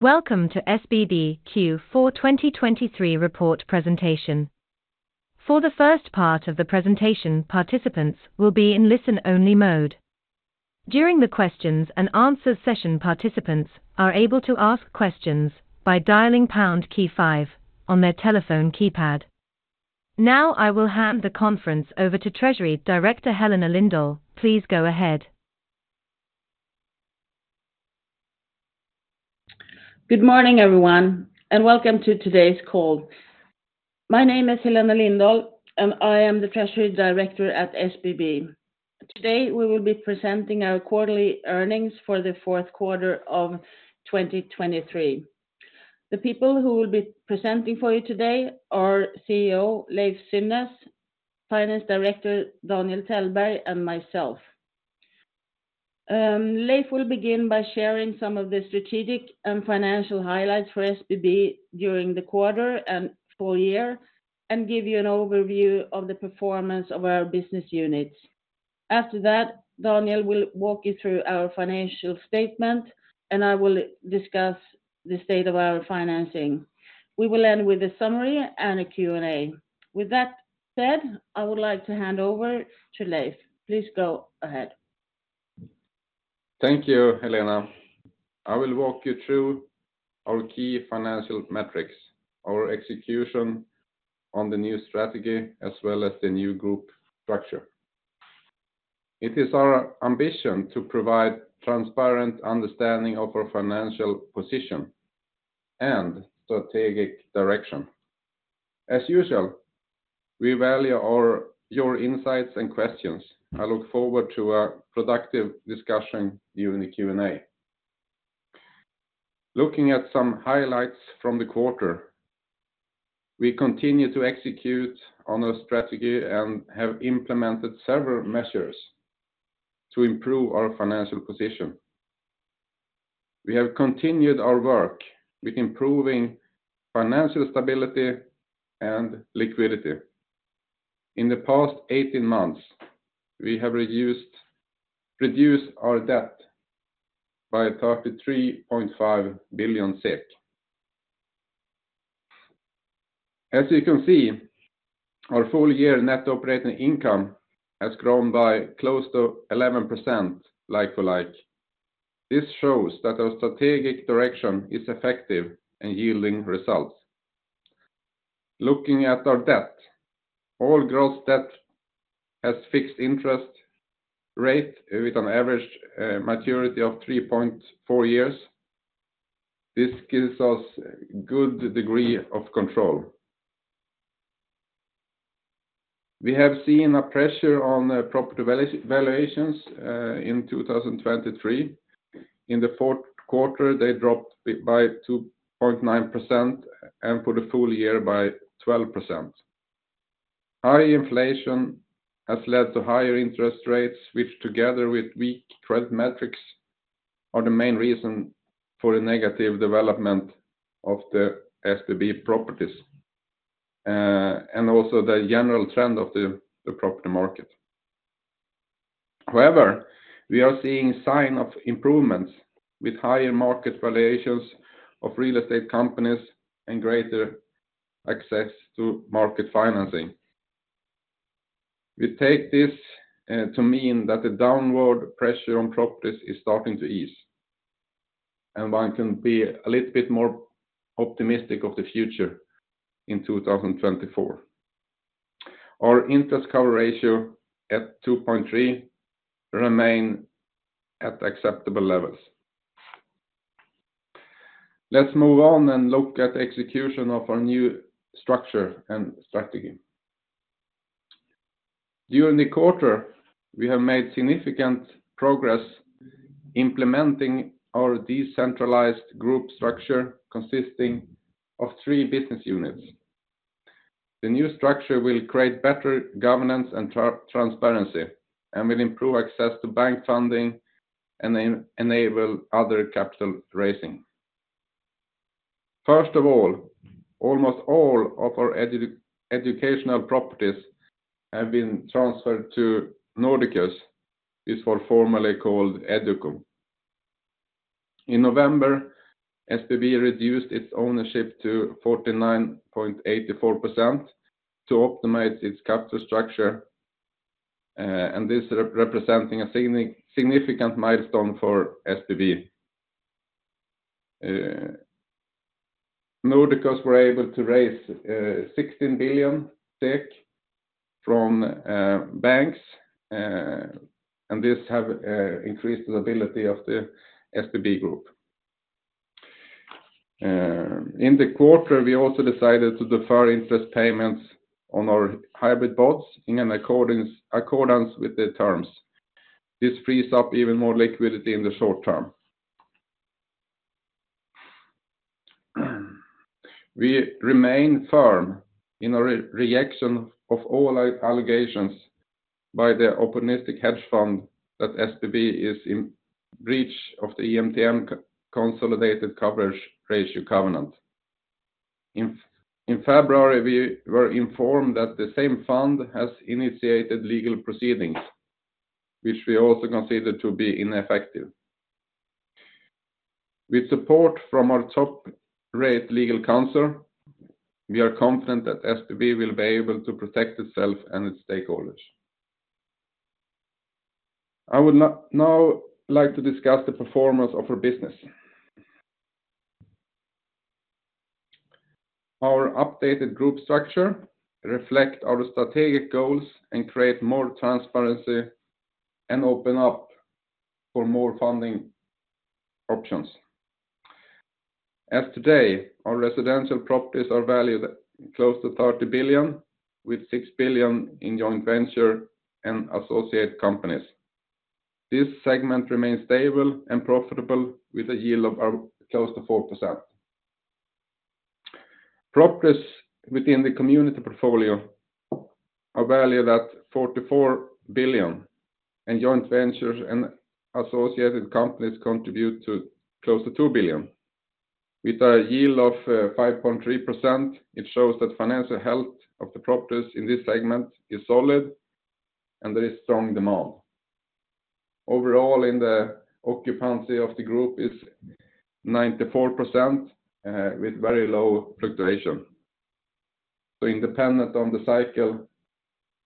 Welcome to SBB Q4 2023 Report Presentation. For the first part of the presentation, participants will be in listen-only mode. During the questions and answers session, participants are able to ask questions by dialing pound key five on their telephone keypad. Now I will hand the conference over to Treasury Director Helena Lindahl, please go ahead. Good morning everyone, and welcome to today's call. My name is Helena Lindahl, and I am the Treasury Director at SBB. Today we will be presenting our quarterly earnings for the fourth quarter of 2023. The people who will be presenting for you today are CEO Leiv Synnes, Finance Director Daniel Tellberg, and myself. Leiv will begin by sharing some of the strategic and financial highlights for SBB during the quarter and full year, and give you an overview of the performance of our business units. After that, Daniel will walk you through our financial statement, and I will discuss the state of our financing. We will end with a summary and a Q&A. With that said, I would like to hand over to Leiv. Please go ahead. Thank you, Helena. I will walk you through our key financial metrics, our execution on the new strategy, as well as the new group structure. It is our ambition to provide transparent understanding of our financial position and strategic direction. As usual, we value your insights and questions. I look forward to a productive discussion during the Q&A. Looking at some highlights from the quarter, we continue to execute on our strategy and have implemented several measures to improve our financial position. We have continued our work with improving financial stability and liquidity. In the past 18 months, we have reduced our debt by SEK 33.5 billion. As you can see, our full-year net operating income has grown by close to 11% like-for-like. This shows that our strategic direction is effective and yielding results. Looking at our debt, all gross debt has fixed interest rate with an average maturity of 3.4 years. This gives us a good degree of control. We have seen a pressure on property valuations in 2023. In the fourth quarter, they dropped by 2.9% and for the full year by 12%. High inflation has led to higher interest rates, which together with weak credit metrics are the main reason for the negative development of the SBB properties and also the general trend of the property market. However, we are seeing signs of improvements with higher market valuations of real estate companies and greater access to market financing. We take this to mean that the downward pressure on properties is starting to ease, and one can be a little bit more optimistic of the future in 2024. Our interest cover ratio at 2.3 remains at acceptable levels. Let's move on and look at the execution of our new structure and strategy. During the quarter, we have made significant progress implementing our decentralized group structure consisting of three business units. The new structure will create better governance and transparency and will improve access to bank funding and enable other capital raising. First of all, almost all of our educational properties have been transferred to Nordiqus. This was formerly called EduCo. In November, SBB reduced its ownership to 49.84% to optimize its capital structure, and this is representing a significant milestone for SBB. Nordiqus were able to raise 16 billion SEK from banks, and this has increased the stability of the SBB group. In the quarter, we also decided to defer interest payments on our hybrid bonds in accordance with the terms. This frees up even more liquidity in the short term. We remain firm in our rejection of all allegations by the opportunistic hedge fund that SBB is in breach of the EMTN Consolidated Coverage Ratio Covenant. In February, we were informed that the same fund has initiated legal proceedings, which we also consider to be ineffective. With support from our top-rate legal counsel, we are confident that SBB will be able to protect itself and its stakeholders. I would now like to discuss the performance of our business. Our updated group structure reflects our strategic goals and creates more transparency and opens up for more funding options. As of today, our residential properties are valued close to 30 billion, with 6 billion in joint venture and associate companies. This segment remains stable and profitable, with a yield of close to 4%. Properties within the community portfolio are valued at 44 billion, and joint ventures and associated companies contribute to close to 2 billion. With a yield of 5.3%, it shows that financial health of the properties in this segment is solid, and there is strong demand. Overall, the occupancy of the group is 94%, with very low fluctuation. So independent of the cycle,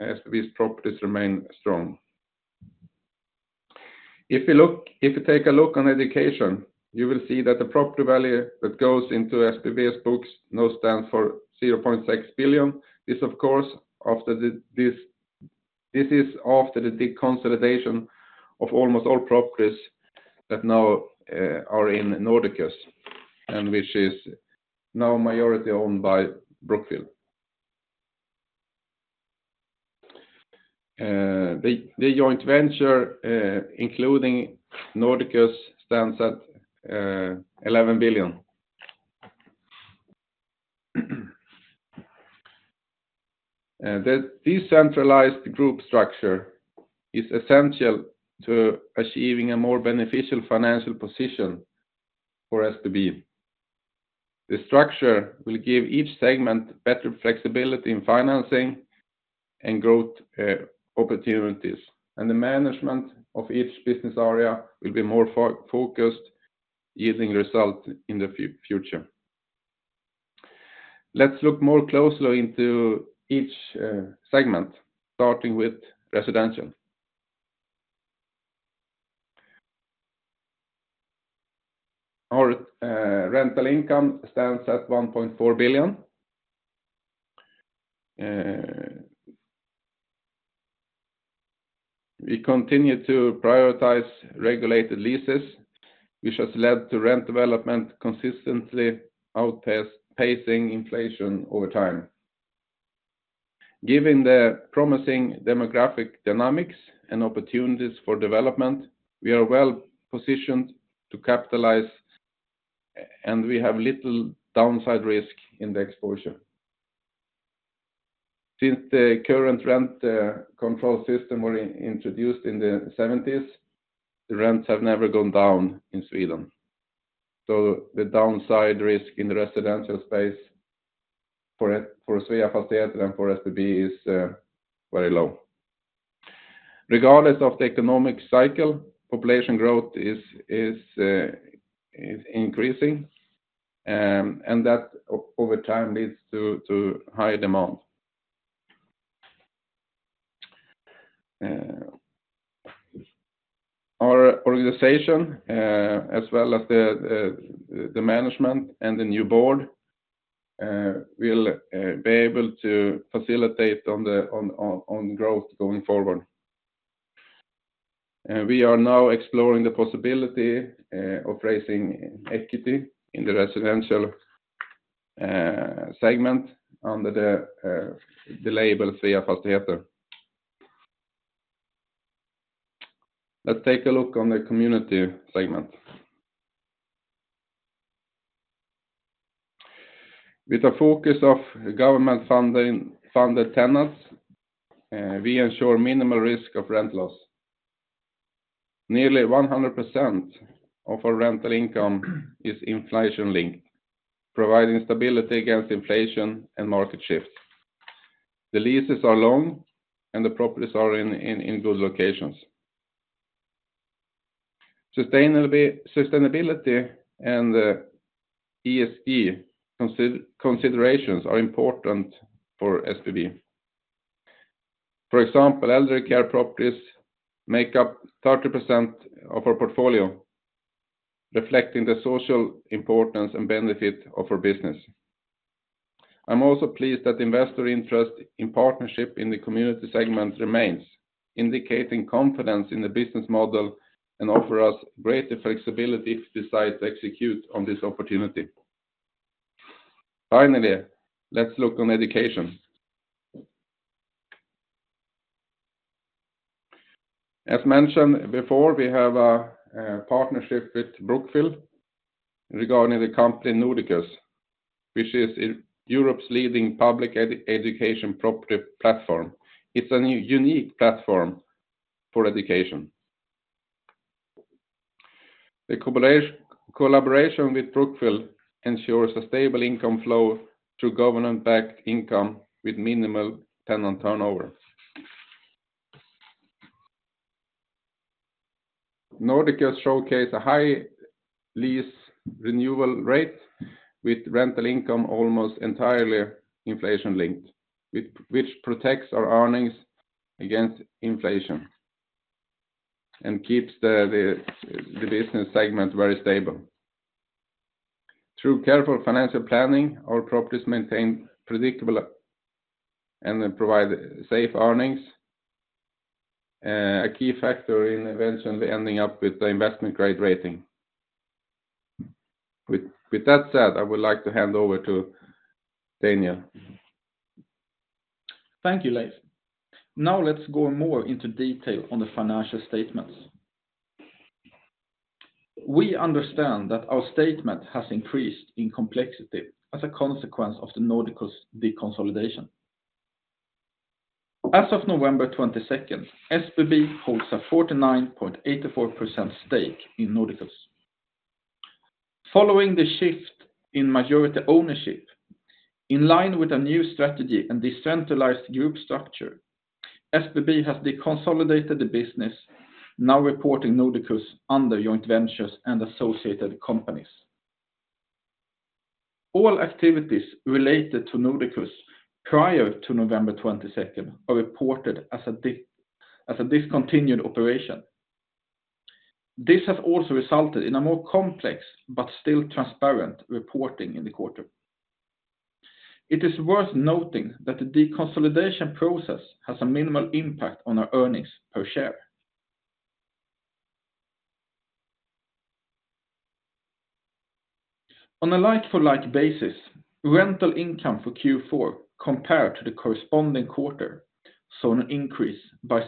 SBB's properties remain strong. If we take a look on education, you will see that the property value that goes into SBB's books now stands for 0.6 billion. This, of course, is after the deconsolidation of almost all properties that now are in Nordiqus, which is now majority owned by Brookfield. The joint venture, including Nordiqus, stands at SEK 11 billion. The decentralized group structure is essential to achieving a more beneficial financial position for SBB. The structure will give each segment better flexibility in financing and growth opportunities, and the management of each business area will be more focused. Yielding results in the future. Let's look more closely into each segment, starting with residential. Our rental income stands at 1.4 billion. We continue to prioritize regulated leases, which has led to rent development consistently outpacing inflation over time. Given the promising demographic dynamics and opportunities for development, we are well positioned to capitalize, and we have little downside risk in the exposure. Since the current rent control system was introduced in the '70s, the rents have never gone down in Sweden. So the downside risk in the residential space for Sveafastigheter and for SBB is very low. Regardless of the economic cycle, population growth is increasing, and that over time leads to high demand. Our organization, as well as the management and the new board, will be able to facilitate on growth going forward. We are now exploring the possibility of raising equity in the residential segment under the label Sveafastigheter. Let's take a look on the community segment. With a focus on government-funded tenants, we ensure minimal risk of rent loss. Nearly 100% of our rental income is inflation-linked, providing stability against inflation and market shifts. The leases are long, and the properties are in good locations. Sustainability and ESG considerations are important for SBB. For example, elderly care properties make up 30% of our portfolio, reflecting the social importance and benefit of our business. I'm also pleased that investor interest in partnership in the community segment remains, indicating confidence in the business model and offering us greater flexibility if we decide to execute on this opportunity. Finally, let's look on education. As mentioned before, we have a partnership with Brookfield regarding the company Nordiqus, which is Europe's leading public education property platform. It's a unique platform for education. The collaboration with Brookfield ensures a stable income flow through government-backed income with minimal tenant turnover. Nordiqus showcases a high lease renewal rate with rental income almost entirely inflation-linked, which protects our earnings against inflation and keeps the business segment very stable. Through careful financial planning, our properties maintain predictability and provide safe earnings, a key factor in eventually ending up with the investment grade rating. With that said, I would like to hand over to Daniel. Thank you, Leiv. Now let's go more into detail on the financial statements. We understand that our statement has increased in complexity as a consequence of Nordiqus's deconsolidation. As of November 22nd, SBB holds a 49.84% stake in Nordiqus. Following the shift in majority ownership, in line with a new strategy and decentralized group structure, SBB has deconsolidated the business, now reporting Nordiqus under joint ventures and associated companies. All activities related to Nordiqus prior to November 22nd are reported as a discontinued operation. This has also resulted in a more complex but still transparent reporting in the quarter. It is worth noting that the deconsolidation process has a minimal impact on our earnings per share. On a like-for-like basis, rental income for Q4 compared to the corresponding quarter saw an increase by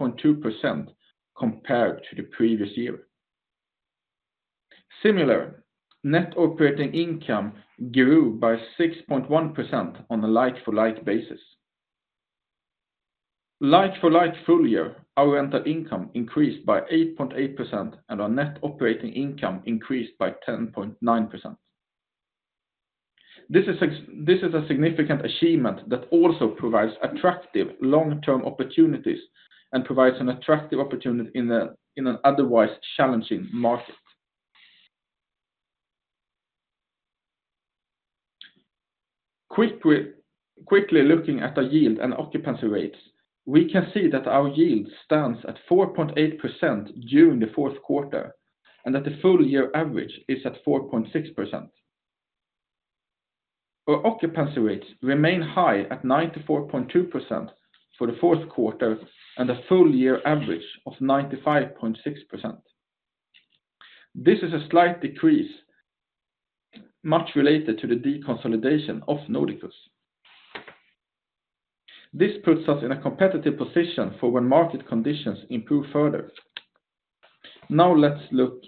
6.2% compared to the previous year. Similarly, net operating income grew by 6.1% on a like-for-like basis. Like-for-like full year, our rental income increased by 8.8% and our net operating income increased by 10.9%. This is a significant achievement that also provides attractive long-term opportunities and provides an attractive opportunity in an otherwise challenging market. Quickly looking at our yield and occupancy rates, we can see that our yield stands at 4.8% during the fourth quarter and that the full year average is at 4.6%. Our occupancy rates remain high at 94.2% for the fourth quarter and a full year average of 95.6%. This is a slight decrease, much related to the deconsolidation of Nordiqus. This puts us in a competitive position for when market conditions improve further. Now let's look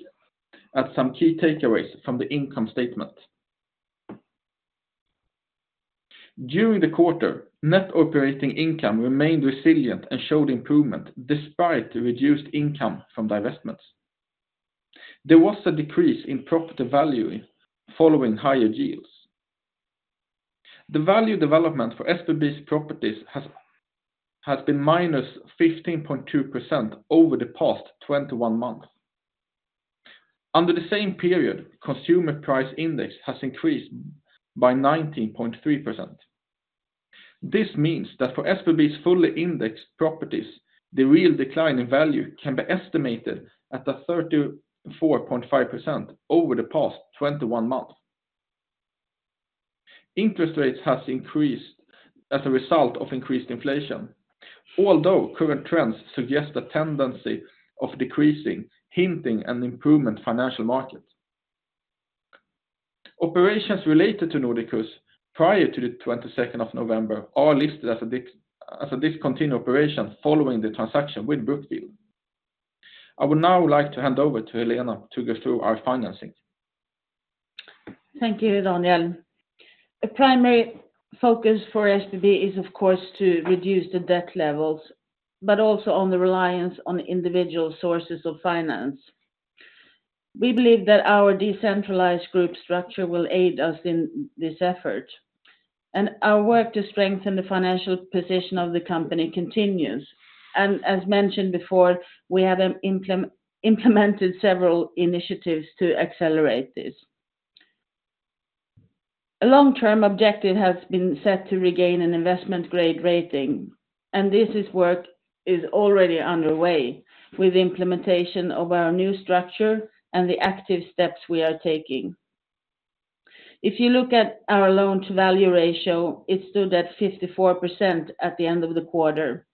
at some key takeaways from the income statement. During the quarter, net operating income remained resilient and showed improvement despite reduced income from divestments. There was a decrease in property value following higher yields. The value development for SBB's properties has been -15.2% over the past 21 months. Under the same period, the consumer price index has increased by 19.3%. This means that for SBB's fully indexed properties, the real decline in value can be estimated at 34.5% over the past 21 months. Interest rates have increased as a result of increased inflation, although current trends suggest a tendency of decreasing, hinting at an improvement in the financial market. Operations related to Nordiqus prior to the 22nd of November are listed as a discontinued operation following the transaction with Brookfield. I would now like to hand over to Helena to go through our financing. Thank you, Daniel. A primary focus for SBB is, of course, to reduce the debt levels, but also on the reliance on individual sources of finance. We believe that our decentralized group structure will aid us in this effort, and our work to strengthen the financial position of the company continues. As mentioned before, we have implemented several initiatives to accelerate this. A long-term objective has been set to regain an investment grade rating, and this work is already underway with the implementation of our new structure and the active steps we are taking. If you look at our loan-to-value ratio, it stood at 54% at the end of the quarter.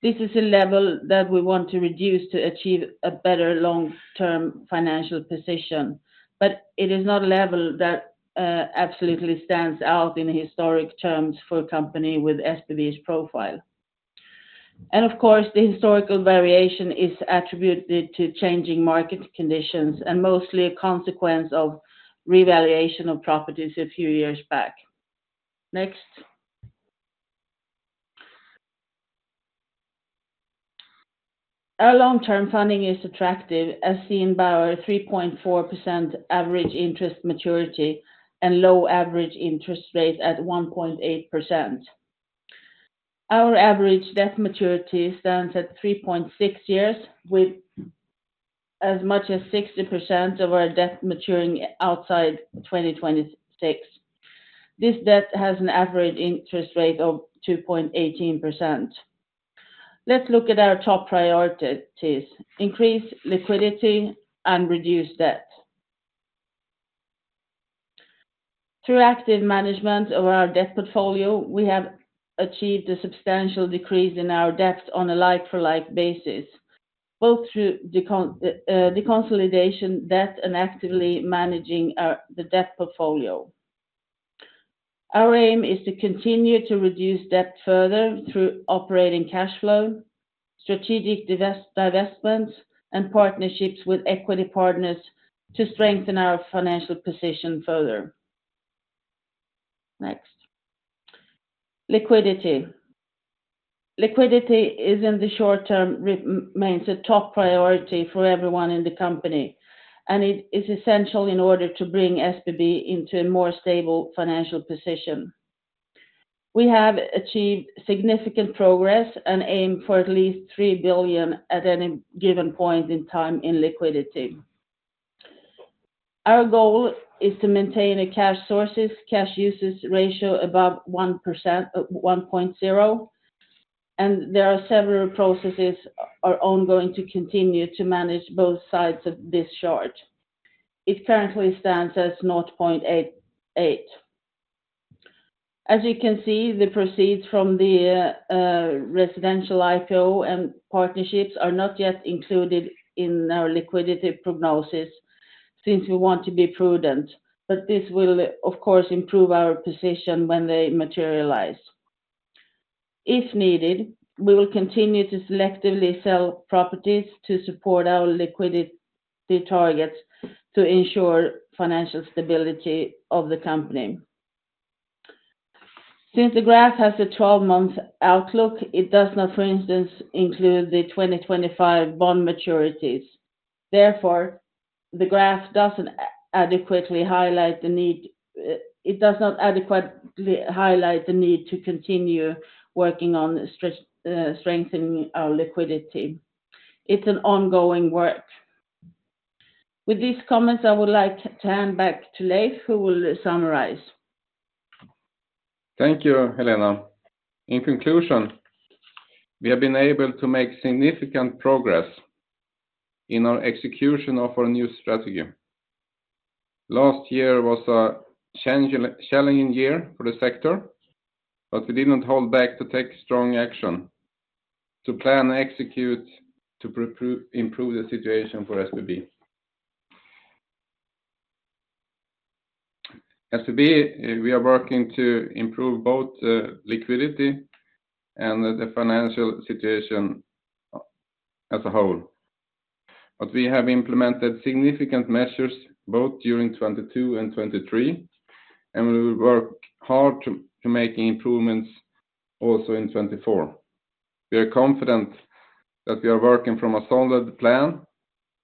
This is a level that we want to reduce to achieve a better long-term financial position, but it is not a level that absolutely stands out in historic terms for a company with SBB's profile. Of course, the historical variation is attributed to changing market conditions and mostly a consequence of revaluation of properties a few years back. Next. Our long-term funding is attractive, as seen by our 3.4% average interest maturity and low average interest rate at 1.8%. Our average debt maturity stands at 3.6 years, with as much as 60% of our debt maturing outside 2026. This debt has an average interest rate of 2.18%. Let's look at our top priorities: increase liquidity and reduce debt. Through active management of our debt portfolio, we have achieved a substantial decrease in our debt on a like-for-like basis, both through deconsolidation debt and actively managing the debt portfolio. Our aim is to continue to reduce debt further through operating cash flow, strategic divestments, and partnerships with equity partners to strengthen our financial position further. Next. Liquidity. Liquidity in the short term remains a top priority for everyone in the company, and it is essential in order to bring SBB into a more stable financial position. We have achieved significant progress and aim for at least 3 billion at any given point in time in liquidity. Our goal is to maintain a cash sources/cash uses ratio above 1.0, and there are several processes ongoing to continue to manage both sides of this chart. It currently stands at 0.88. As you can see, the proceeds from the residential IPO and partnerships are not yet included in our liquidity prognosis since we want to be prudent, but this will, of course, improve our position when they materialize. If needed, we will continue to selectively sell properties to support our liquidity targets to ensure financial stability of the company. Since the graph has a 12-month outlook, it does not, for instance, include the 2025 bond maturities. Therefore, the graph doesn't adequately highlight the need to continue working on strengthening our liquidity. It's an ongoing work. With these comments, I would like to hand back to Leiv, who will summarize. Thank you, Helena. In conclusion, we have been able to make significant progress in our execution of our new strategy. Last year was a challenging year for the sector, but we did not hold back to take strong action, to plan, execute, to improve the situation for SBB. At SBB, we are working to improve both liquidity and the financial situation as a whole. We have implemented significant measures both during 2022 and 2023, and we will work hard to make improvements also in 2024. We are confident that we are working from a solid plan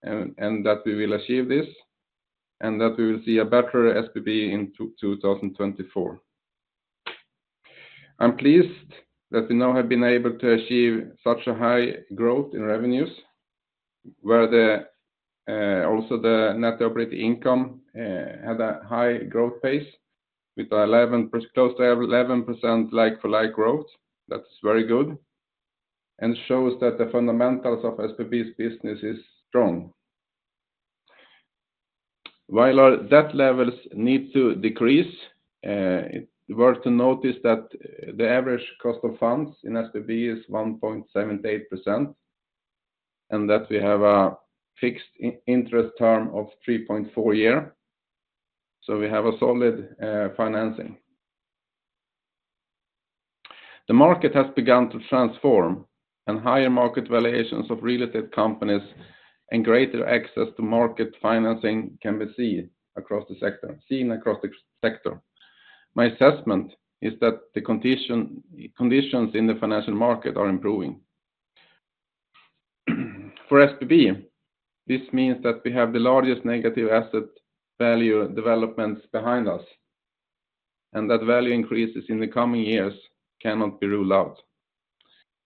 and that we will achieve this, and that we will see a better SBB in 2024. I'm pleased that we now have been able to achieve such a high growth in revenues, where also the net operating income had a high growth pace with close to 11% like-for-like growth. That's very good and shows that the fundamentals of SBB's business are strong. While our debt levels need to decrease, it's worth to notice that the average cost of funds in SBB is 1.78% and that we have a fixed interest term of 3.4 years. So we have a solid financing. The market has begun to transform, and higher market valuations of real estate companies and greater access to market financing can be seen across the sector. My assessment is that the conditions in the financial market are improving. For SBB, this means that we have the largest negative asset value developments behind us, and that value increases in the coming years cannot be ruled out.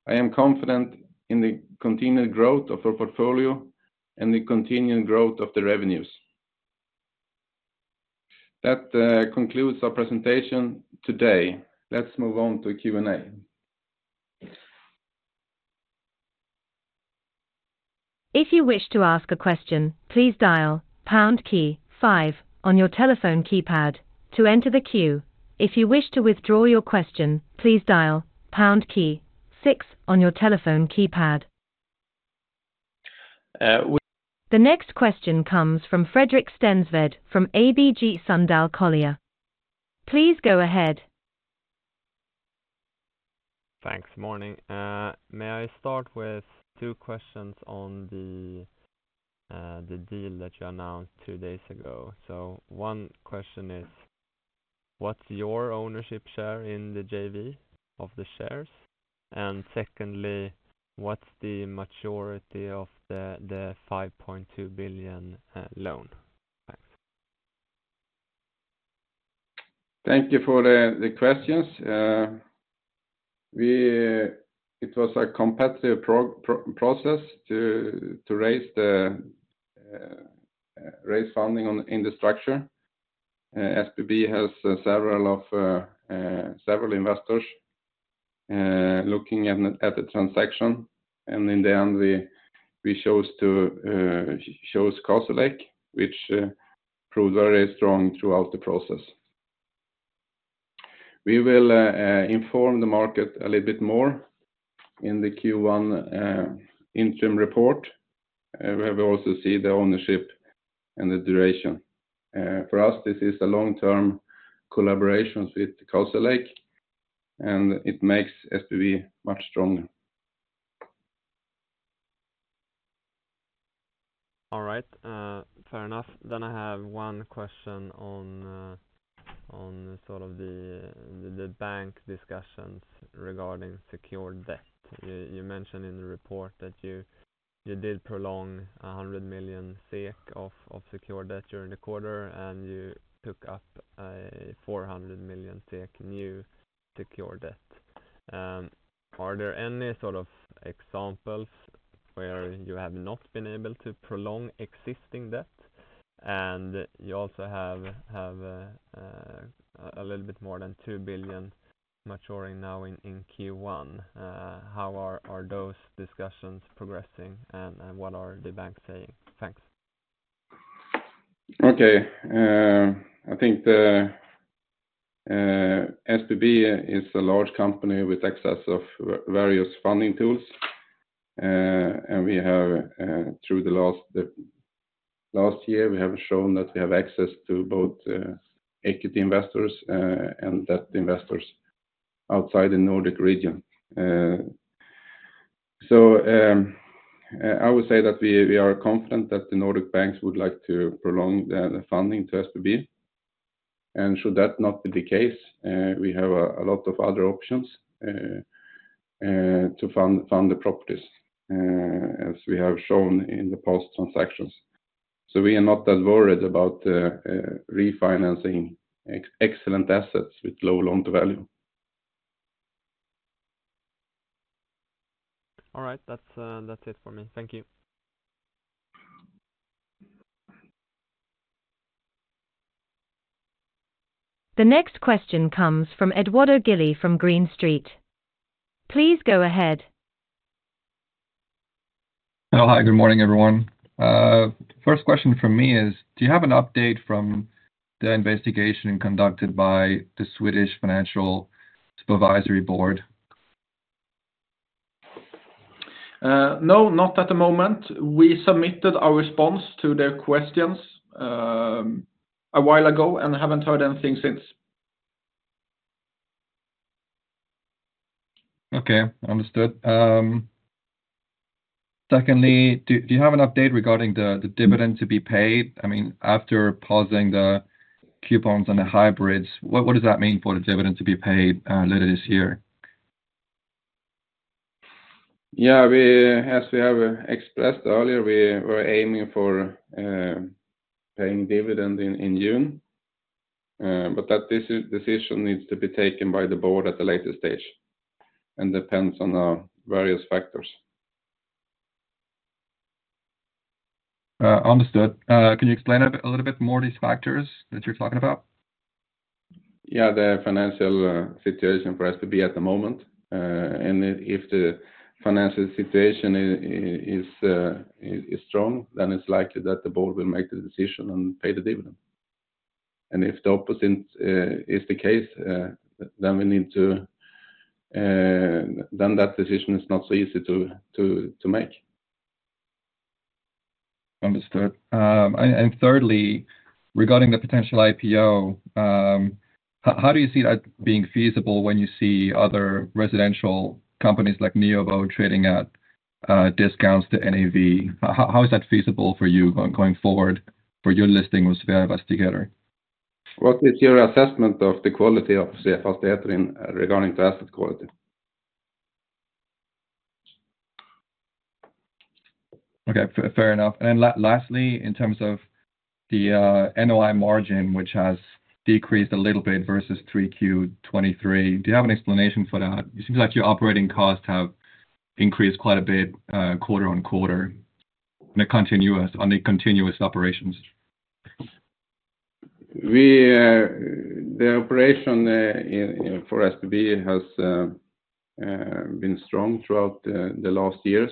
I am confident in the continued growth of our portfolio and the continued growth of the revenues. That concludes our presentation today. Let's move on to Q&A. If you wish to ask a question, please dial pound key five on your telephone keypad to enter the queue. If you wish to withdraw your question, please dial pound key six on your telephone keypad. The next question comes from Fredrik Stensved from ABG Sundal Collier. Please go ahead. Thanks. Good morning. May I start with two questions on the deal that you announced two days ago? So one question is, what's your ownership share in the JV of the shares? And secondly, what's the maturity of the SEK 5.2 billion loan? Thanks. Thank you for the questions. It was a competitive process to raise funding in the structure. SBB has several investors looking at the transaction, and in the end, we chose Castlelake, which proved very strong throughout the process. We will inform the market a little bit more in the Q1 interim report where we also see the ownership and the duration. For us, this is a long-term collaboration with Castlelake, and it makes SBB much stronger. All right. Fair enough. Then I have one question on sort of the bank discussions regarding secured debt. You mentioned in the report that you did prolong 100 million SEK of secured debt during the quarter, and you took up 400 million SEK new secured debt. Are there any sort of examples where you have not been able to prolong existing debt? And you also have a little bit more than 2 billion maturing now in Q1. How are those discussions progressing, and what are the banks saying? Thanks. Okay. I think SBB is a large company with access to various funding tools. And through the last year, we have shown that we have access to both equity investors and debt investors outside the Nordic region. So I would say that we are confident that the Nordic banks would like to prolong the funding to SBB. And should that not be the case, we have a lot of other options to fund the properties, as we have shown in the past transactions. So we are not that worried about refinancing excellent assets with low loan-to-value. All right. That's it for me. Thank you. The next question comes from Edoardo Gili from Green Street. Please go ahead. Hello. Hi. Good morning, everyone. First question from me is, do you have an update from the investigation conducted by the Swedish Financial Supervisory Authority? No, not at the moment. We submitted our response to their questions a while ago and haven't heard anything since. Okay. Understood. Secondly, do you have an update regarding the dividend to be paid? I mean, after pausing the coupons and the hybrids, what does that mean for the dividend to be paid later this year? Yeah. As we have expressed earlier, we were aiming for paying dividend in June, but that decision needs to be taken by the board at the latest stage and depends on various factors. Understood. Can you explain a little bit more these factors that you're talking about? Yeah. The financial situation for SBB at the moment. And if the financial situation is strong, then it's likely that the board will make the decision and pay the dividend. And if the opposite is the case, then we need to then that decision is not so easy to make. Understood. And thirdly, regarding the potential IPO, how do you see that being feasible when you see other residential companies like Neobo trading at discounts to NAV? How is that feasible for you going forward for your listing with Sveafastigheter? What is your assessment of the quality of Sveafastigheter regarding to asset quality? Okay. Fair enough. And then lastly, in terms of the NOI margin, which has decreased a little bit versus 3Q23, do you have an explanation for that? It seems like your operating costs have increased quite a bit quarter-over-quarter on the continuous operations. The operation for SBB has been strong throughout the last years.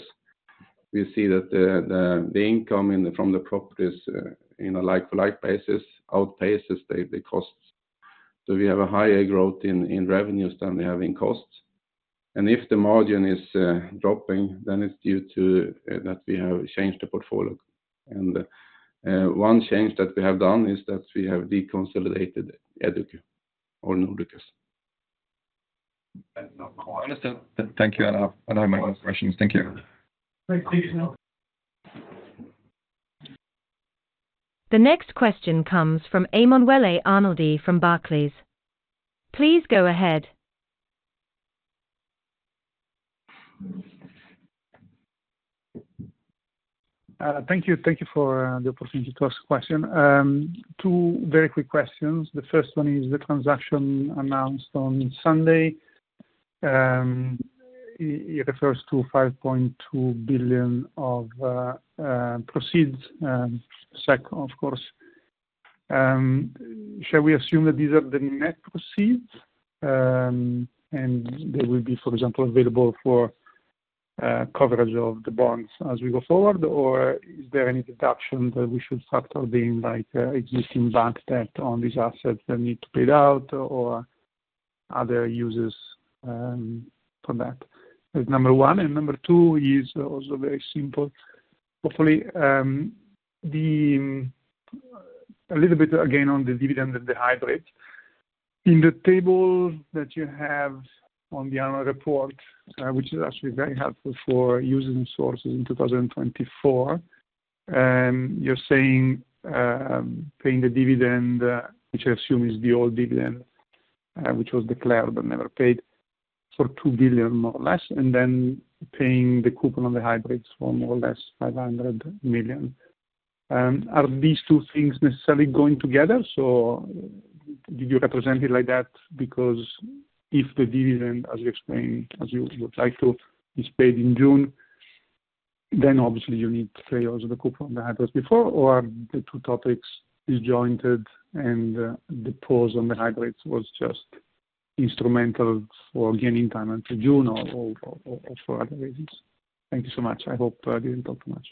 We see that the income from the properties in a like-for-like basis outpaces the costs. So we have a higher growth in revenues than we have in costs. And if the margin is dropping, then it's due to that we have changed the portfolio. And one change that we have done is that we have deconsolidated EduCo or Nordiqus. Understood. Thank you. I have no more questions. Thank you. The next question comes from Emanuele Arnoldi from Barclays. Please go ahead. Thank you. Thank you for the opportunity to ask a question. Two very quick questions. The first one is the transaction announced on Sunday. It refers to 5.2 billion of proceeds, of course. Shall we assume that these are the net proceeds and they will be, for example, available for coverage of the bonds as we go forward, or is there any deduction that we should factor in like existing bank debt on these assets that need to pay it out or other uses for that? That's number one. And number two is also very simple, hopefully. A little bit, again, on the dividend and the hybrids. In the table that you have on the annual report, which is actually very helpful for uses and sources in 2024, you're saying paying the dividend, which I assume is the old dividend which was declared but never paid, for 2 billion, more or less, and then paying the coupon on the hybrids for more or less 500 million. Are these two things necessarily going together? So did you represent it like that because if the dividend, as you explained, as you would like to, is paid in June, then obviously you need to pay also the coupon on the hybrids before, or are the two topics disjointed and the pause on the hybrids was just instrumental for gaining time until June or for other reasons? Thank you so much. I hope I didn't talk too much.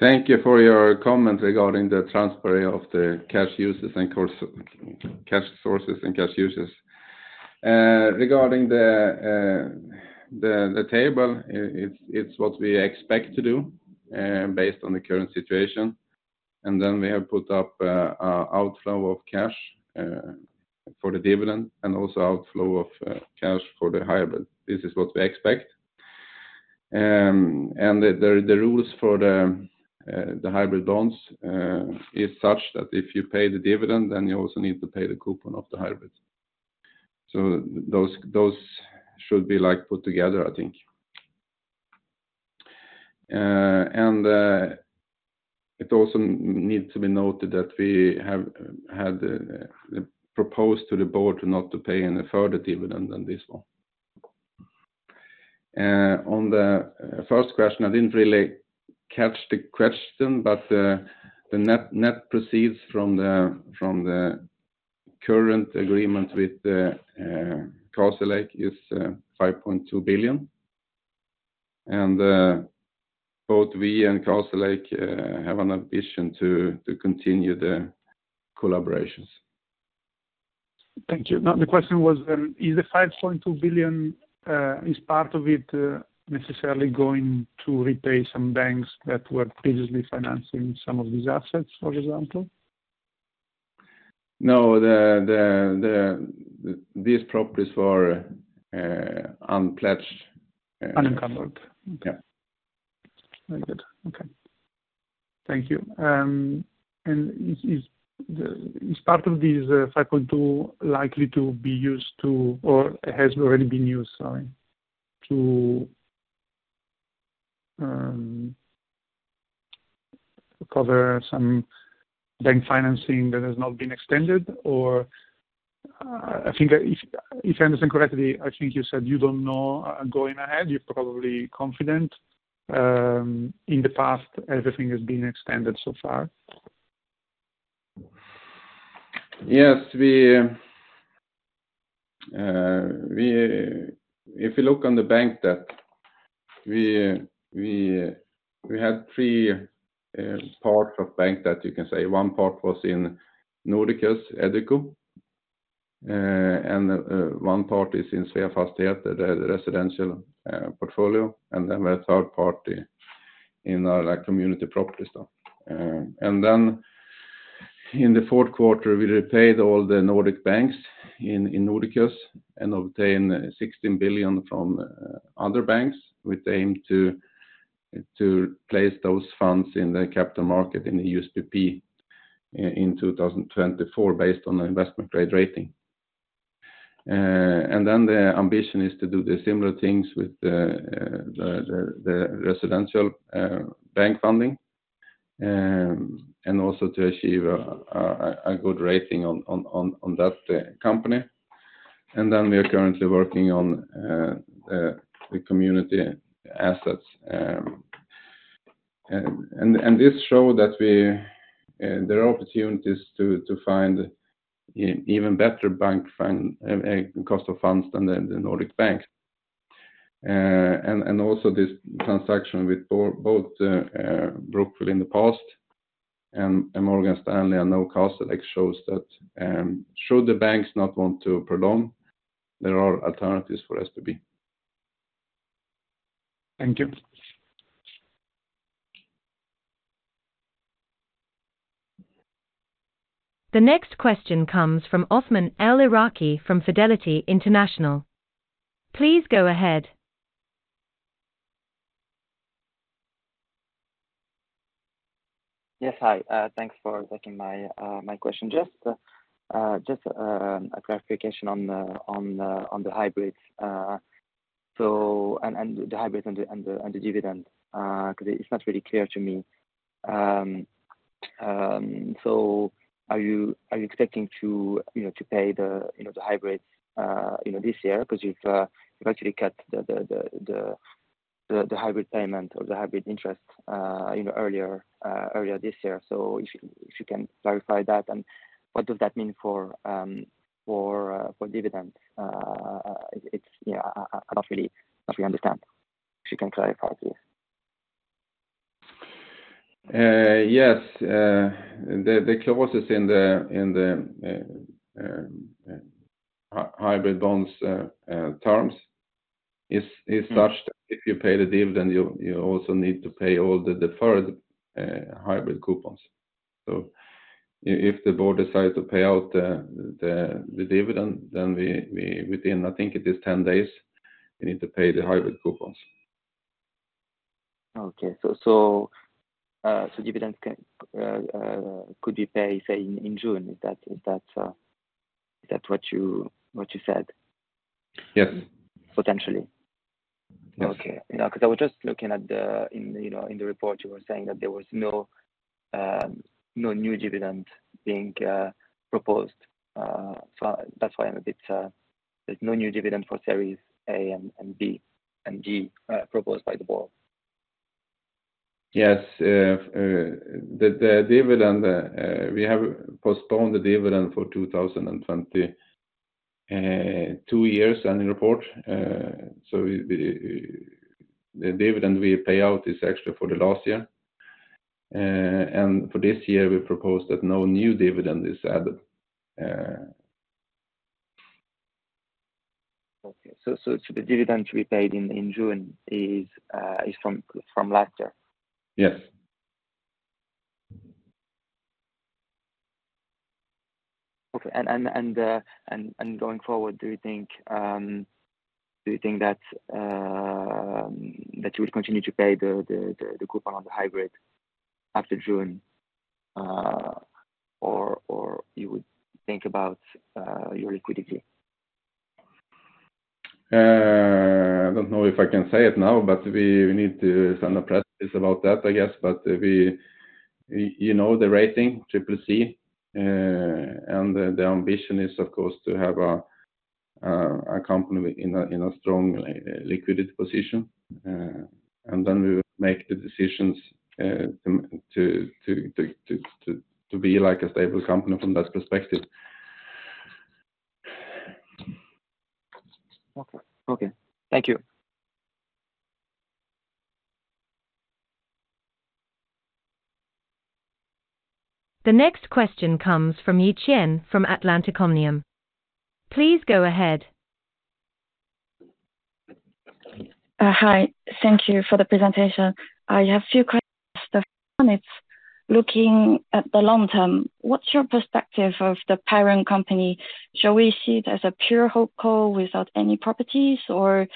Thank you for your comment regarding the transfer of the cash uses and cash sources and cash uses. Regarding the table, it's what we expect to do based on the current situation. Then we have put up an outflow of cash for the dividend and also outflow of cash for the hybrid. This is what we expect. The rules for the hybrid bonds are such that if you pay the dividend, then you also need to pay the coupon of the hybrids. Those should be put together, I think. It also needs to be noted that we have proposed to the board not to pay any further dividend than this one. On the first question, I didn't really catch the question, but the net proceeds from the current agreement with Castlelake is SEK 5.2 billion. Both we and Castlelake have an ambition to continue the collaborations. Thank you. The question was, is the 5.2 billion part of it necessarily going to repay some banks that were previously financing some of these assets, for example? No. These properties were unpledged. Unencumbered. Okay. Very good. Okay. Thank you. Is part of this SEK 5.2 likely to be used to or has already been used, sorry, to cover some bank financing that has not been extended? If I understand correctly, I think you said you don't know going ahead. You're probably confident. In the past, everything has been extended so far. Yes. If you look on the bank debt, we had three parts of bank debt, you can say. One part was in Nordiqus, EduCo. And one part is in Sveafastigheter, the residential portfolio. And then we had a third part in our community properties. And then in the fourth quarter, we repaid all the Nordic banks in Nordiqus and obtained 16 billion from other banks with the aim to place those funds in the capital market in the USPP in 2024 based on the investment grade rating. And then the ambition is to do similar things with the residential bank funding and also to achieve a good rating on that company. And then we are currently working on the community assets. And this showed that there are opportunities to find even better bank cost of funds than the Nordic banks. Also this transaction with both Brookfield in the past and Morgan Stanley and Nordiqus shows that should the banks not want to prolong, there are alternatives for SBB. Thank you. The next question comes from Othman El Iraki from Fidelity International. Please go ahead. Yes. Hi. Thanks for taking my question. Just a clarification on the hybrids and the hybrids and the dividend because it's not really clear to me. So are you expecting to pay the hybrids this year because you've actually cut the hybrid payment or the hybrid interest earlier this year? So if you can clarify that, and what does that mean for dividends? I don't really understand. If you can clarify, please. Yes. The clause is in the hybrid bonds terms is such that if you pay the dividend, you also need to pay all the deferred hybrid coupons. So if the board decides to pay out the dividend, then within, I think it is 10 days, you need to pay the hybrid coupons. Okay. So dividends could be paid, say, in June. Is that what you said? Yes. Potentially? Yes. Okay. Because I was just looking at the in the report, you were saying that there was no new dividend being proposed. So that's why I'm a bit. There's no new dividend for Series A and B and D proposed by the board. Yes. We have postponed the dividend for 2020, 2 years, and in report. The dividend we pay out is actually for the last year. For this year, we proposed that no new dividend is added. Okay. So the dividend to be paid in June is from last year? Yes. Okay. And going forward, do you think that you would continue to pay the coupon on the hybrid after June, or you would think about your liquidity? I don't know if I can say it now, but we need to send a press release about that, I guess. You know the rating, CCC. The ambition is, of course, to have a company in a strong liquidity position. We would make the decisions to be a stable company from that perspective. Okay. Thank you. The next question comes from Yi Qian from Atlantic Omnium. Please go ahead. Hi. Thank you for the presentation. I have a few questions. The first one, it's looking at the long term. What's your perspective of the parent company? Shall we see it as a pure HoldCo without any properties, or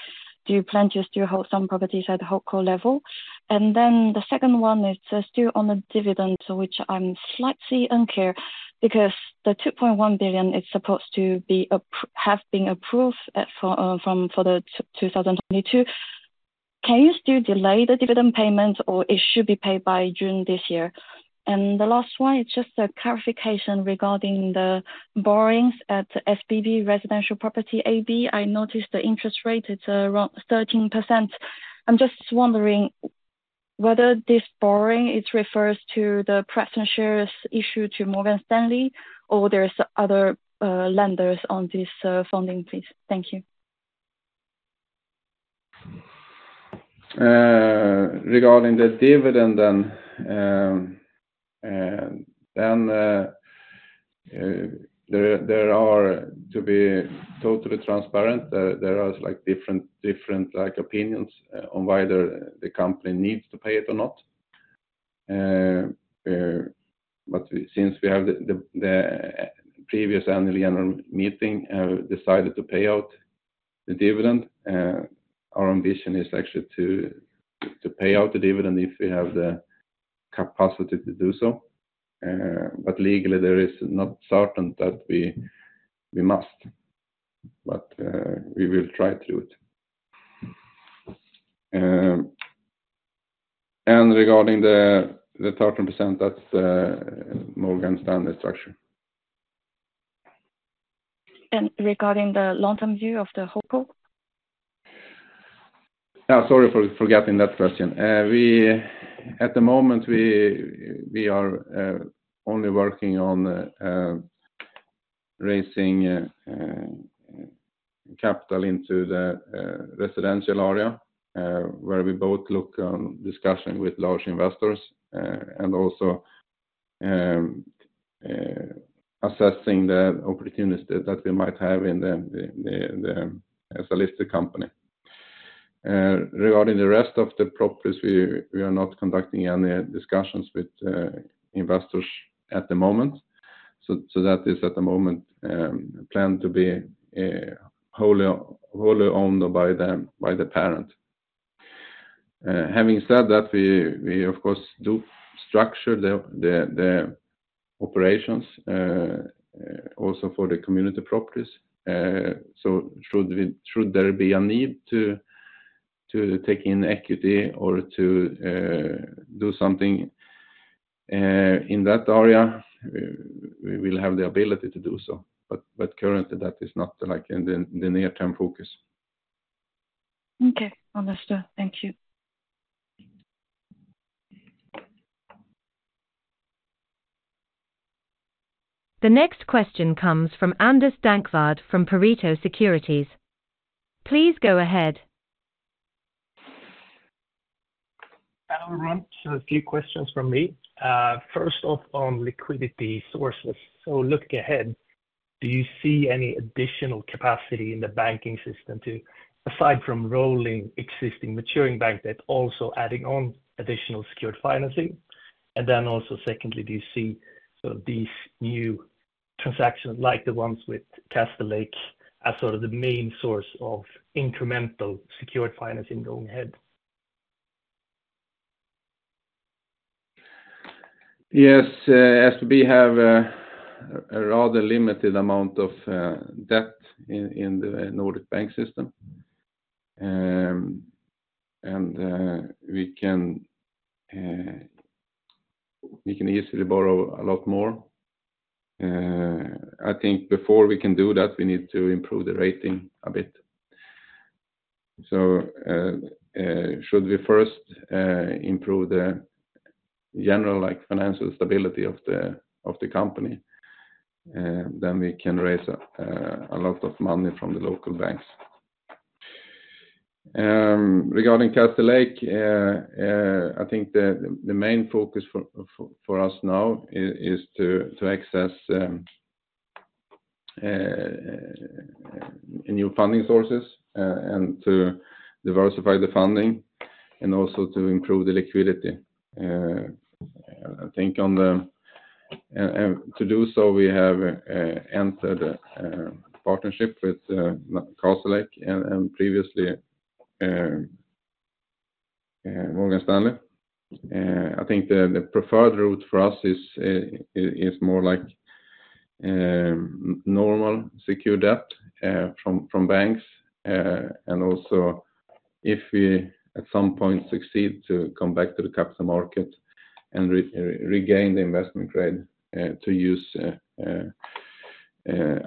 do you plan to still hold some properties at HoldCo level? And then the second one, it's still on the dividend, which I'm slightly unclear because the 2.1 billion, it's supposed to have been approved for the 2022. Can you still delay the dividend payment, or it should be paid by June this year? And the last one, it's just a clarification regarding the borrowings at SBB Residential Property AB. I noticed the interest rate. It's around 13%. I'm just wondering whether this borrowing, it refers to the preference shares issued to Morgan Stanley, or there are other lenders on this funding, please. Thank you. Regarding the dividend, then there are to be totally transparent. There are different opinions on whether the company needs to pay it or not. But since we have the previous annual meeting, we decided to pay out the dividend. Our ambition is actually to pay out the dividend if we have the capacity to do so. But legally, there is not certain that we must, but we will try to do it. And regarding the 13%, that's Morgan Stanley structure. Regarding the long-term view of the HoldCo? Sorry for forgetting that question. At the moment, we are only working on raising capital into the residential area where we both look on discussion with large investors and also assessing the opportunities that we might have in the Sveafastigheter. Regarding the rest of the properties, we are not conducting any discussions with investors at the moment. So that is, at the moment, planned to be wholly owned by the parent. Having said that, we, of course, do structure the operations also for the community properties. So should there be a need to take in equity or to do something in that area, we will have the ability to do so. But currently, that is not the near-term focus. Okay. Understood. Thank you. The next question comes from Anders Dankvardt from Pareto Securities. Please go ahead. Hello, everyone. A few questions from me. First off, on liquidity sources. Looking ahead, do you see any additional capacity in the banking system aside from rolling existing maturing bank debt, also adding on additional secured financing? And then also, secondly, do you see these new transactions like the ones with Castlelake as sort of the main source of incremental secured financing going ahead? Yes. SBB has a rather limited amount of debt in the Nordic bank system. We can easily borrow a lot more. I think before we can do that, we need to improve the rating a bit. We should first improve the general financial stability of the company; then we can raise a lot of money from the local banks. Regarding Castlelake, I think the main focus for us now is to access new funding sources and to diversify the funding and also to improve the liquidity. I think to do so, we have entered a partnership with Castlelake and previously Morgan Stanley. I think the preferred route for us is more like normal secure debt from banks. Also if we at some point succeed to come back to the capital market and regain the investment grade to use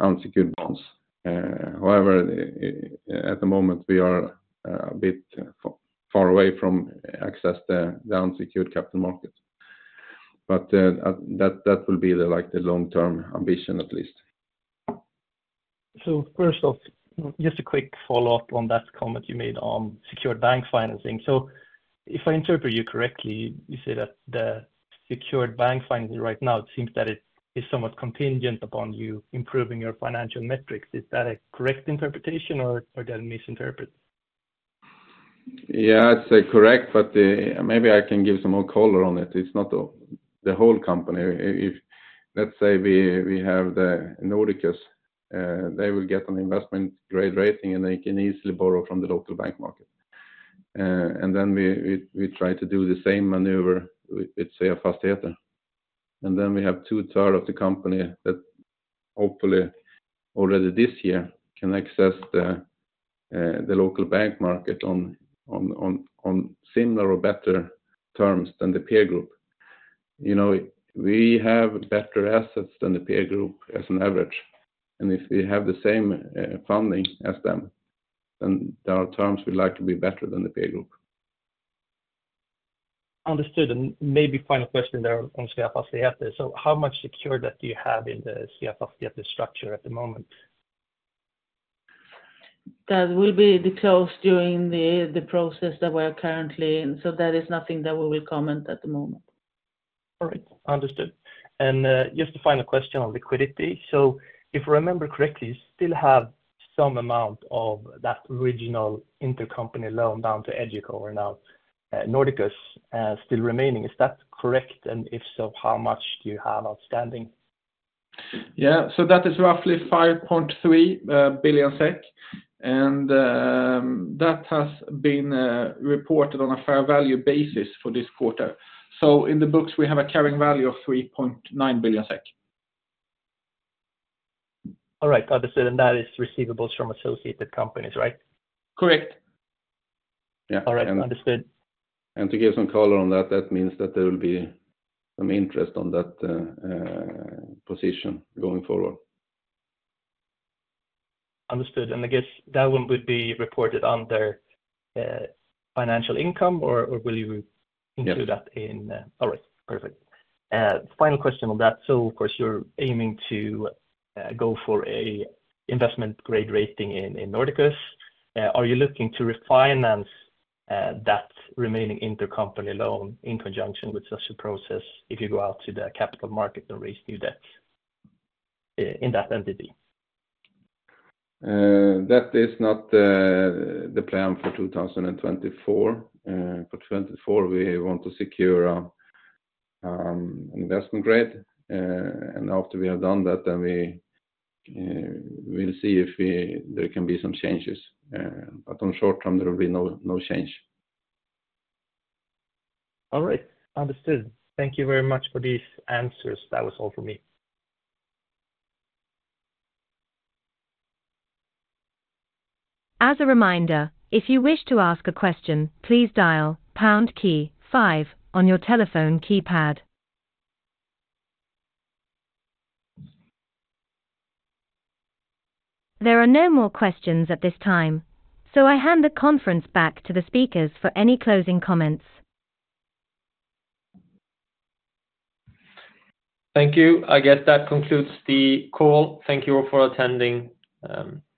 unsecured bonds. However, at the moment, we are a bit far away from accessing the unsecured capital market. But that will be the long-term ambition, at least. First off, just a quick follow-up on that comment you made on secured bank financing. If I interpret you correctly, you say that the secured bank financing right now, it seems that it is somewhat contingent upon you improving your financial metrics. Is that a correct interpretation, or did I misinterpret? Yeah, I'd say correct, but maybe I can give some more color on it. It's not the whole company. Let's say we have Nordiqus. They will get an investment-grade rating, and they can easily borrow from the local bank market. Then we try to do the same maneuver with Sveafastigheter. Then we have two-thirds of the company that hopefully already this year can access the local bank market on similar or better terms than the peer group. We have better assets than the peer group as an average. If we have the same funding as them, then there are terms we'd like to be better than the peer group. Understood. Maybe final question there on Sveafastigheter. How much secure debt do you have in the Sveafastigheter structure at the moment? That will be disclosed during the process that we are currently in. That is nothing that we will comment at the moment. All right. Understood. And just a final question on liquidity. So if I remember correctly, you still have some amount of that remaining intercompany loan down to EduCo or now Nordiqus still remaining. Is that correct? And if so, how much do you have outstanding? Yeah. So that is roughly 5.3 billion SEK. And that has been reported on a fair value basis for this quarter. So in the books, we have a carrying value of 3.9 billion SEK. All right. Understood. And that is receivables from associated companies, right? Correct. All right. Understood. To give some color on that, that means that there will be some interest on that position going forward. Understood. And I guess that one would be reported under financial income, or will you include that in? All right. Perfect. Final question on that. So, of course, you're aiming to go for an investment grade rating in Nordiqus. Are you looking to refinance that remaining intercompany loan in conjunction with such a process if you go out to the capital market and raise new debt in that entity? That is not the plan for 2024. For 2024, we want to secure an investment grade. And after we have done that, then we will see if there can be some changes. But on short-term, there will be no change. All right. Understood. Thank you very much for these answers. That was all from me. As a reminder, if you wish to ask a question, please dial pound key five on your telephone keypad. There are no more questions at this time, so I hand the conference back to the speakers for any closing comments. Thank you. I guess that concludes the call. Thank you all for attending.